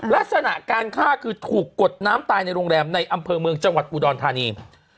ลักษณะการฆ่าคือถูกกดน้ำตายในโรงแรมในอำเภอเมืองจังหวัดอุดรธานี